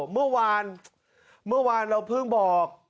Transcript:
เมื่อวานเมื่อวานเราเพิ่งบอก